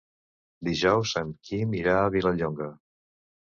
Dijous en Quim irà a Vilallonga.